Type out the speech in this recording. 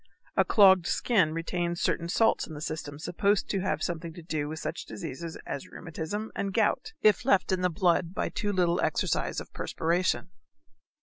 A clogged skin retains certain salts in the system supposed to have something to do with such diseases as rheumatism and gout if left in the blood by too little exercise of perspiration.